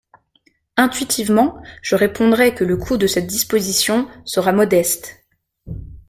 Intuitivement, je répondrai que le coût de cette disposition sera modeste.